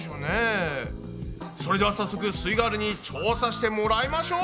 それでは早速すイガールに調査してもらいましょう！